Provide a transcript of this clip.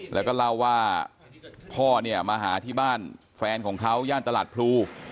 แล้วก็เล่าว่าพ่อเนี่ยมาหาที่บ้านแฟนของเขาย่านตลาดพลู